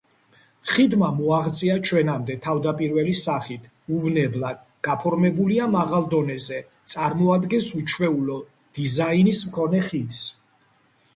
ხიდმა მოაღწია ჩვენამდე თავდაპირველი სახით უვნებლად, გაფორმებულია მაღალ დონეზე, წარმოადგენს უჩვეულო დიზაინის მქონე ხიდს.